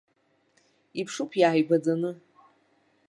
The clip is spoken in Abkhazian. Иԥшуп иааигәаӡаны.